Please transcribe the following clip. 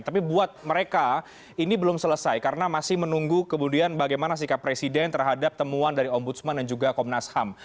tapi buat mereka ini belum selesai karena masih menunggu kemudian bagaimana sikap presiden terhadap temuan dari ombudsman dan juga komnas ham